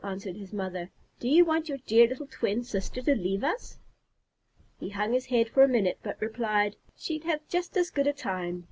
answered his mother. "Do you want your dear little twin sister to leave us?" He hung his head for a minute, but replied, "She'd have just as good a time.